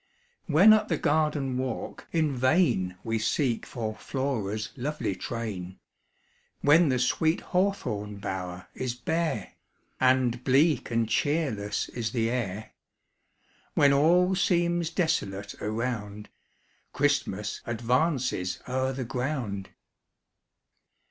When up the garden walk in vain We seek for Flora's lovely train; When the sweet hawthorn bower is bare, And bleak and cheerless is the air; When all seems desolate around, Christmas advances o'er the ground.